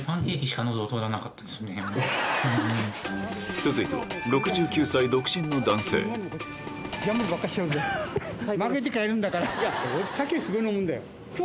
続いては６９歳独身の男性見して。